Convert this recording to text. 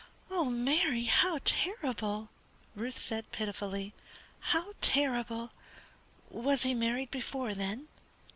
"Oh, Mary, how terrible!" Ruth said, pitifully, "how terrible! Was he married before, then?"